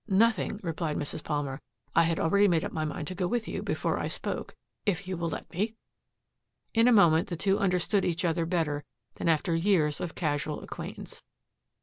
"Nothing," replied Mrs. Palmer. "I had already made up my mind to go with you before I spoke if you will let me." In a moment the two understood each other better than after years of casual acquaintance.